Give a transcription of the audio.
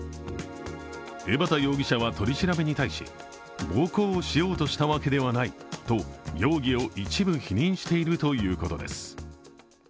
江畑容疑者は取り調べに対し暴行をしようとしたわけではないと容疑を一部否認しているということです。